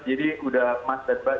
jadi sudah mas dan mbak